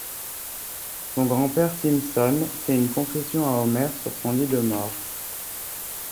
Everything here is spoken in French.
Grand-Père Simpson fait une confession à Homer sur son lit de mort.